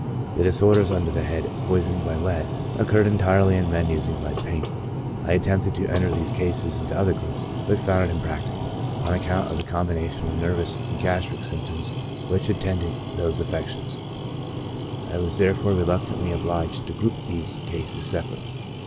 The disorders under the head Poisoning by Lead occurred entirely in men using lead paint ; I attempted to enter these cases into other groups, but found it impracti cable, on account of the combination of nervous and gas tric symptoms which attended those affections ; I was therefore reluctantly obliged to group these cases separately.